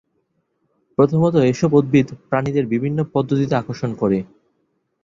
প্রথমত এসব উদ্ভিদ প্রাণীদের বিভিন্ন পদ্ধতিতে আকর্ষণ করে।